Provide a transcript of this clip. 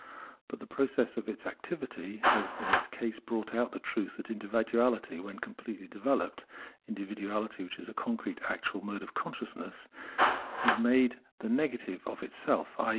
But the process of its own activity has in its case brought out the truth that individuality, when completely developed, individuality which is a concrete actual mode of consciousness, is made the negative of itself, i.